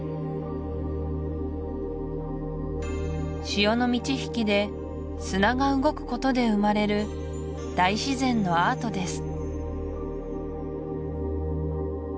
潮の満ち干で砂が動くことで生まれる大自然のアートです